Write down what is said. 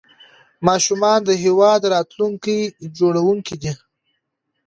ماشومان د هیواد راتلونکي جوړونکي دي.